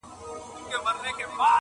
• ماته د یارانو د مستۍ خبري مه کوه -